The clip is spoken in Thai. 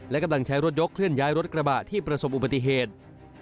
และกำลังใช้รถยกเคลื่อนย้ายรถกระบะที่ประสบอุบัติเหตุ